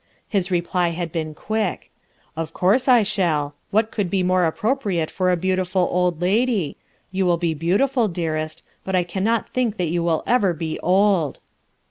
His reply had been quick, "or course I shall. What could be more appropri ate for a beautiful old lady? You will be beautiful, clearest, but I cannot think that you will ever be old."